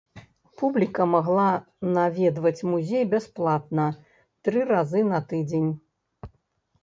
Публіка магла наведваць музей бясплатна тры разы на тыдзень.